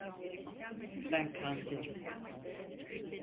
Ben kanserim.